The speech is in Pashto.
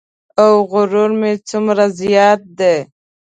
او غرور مې څومره زیات دی.